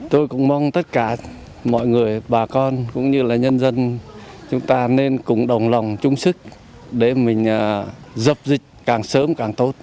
tôi cũng mong tất cả mọi người bà con cũng như là nhân dân chúng ta nên cũng đồng lòng chung sức để mình dập dịch càng sớm càng tốt